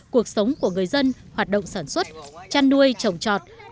cuộc sống của người dân hoạt động sản xuất chăn nuôi trồng trọt